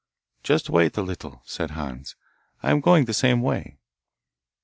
'Just wait a little,' said Hans; 'I am going the same way.